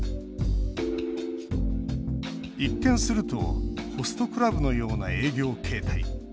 一見するとホストクラブのような営業形態。